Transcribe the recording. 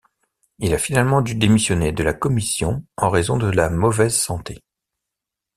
Il a finalement dû démissionner de la commission en raison de la mauvaise santé.